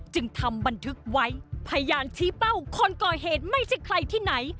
จึงทำบันทึกไว้พยานชี้เป้าคนก่อเหตุไม่ใช่ใครที่ไหน